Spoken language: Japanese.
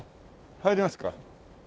入りますか。